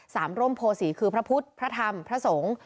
ร่มโพศีคือพระพุทธพระธรรมพระสงฆ์